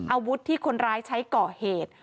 อาวุธที่คนร้ายใช้ก่อเหตุ